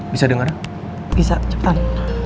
bisa denger bisa cepetan